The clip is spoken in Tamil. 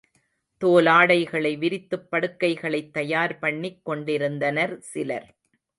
தோலாடைகளை விரித்துப் படுக்கைகளைத் தயார் பண்ணிக் கொண்டிருந்தனர் சிலர்.